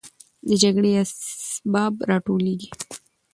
د جګړې اسباب راټولېږي.